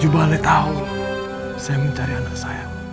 tujuh balet tahun saya mencari anak saya